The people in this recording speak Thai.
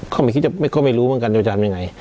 เขาไม่รู้เหมือนกันจะทำยังไง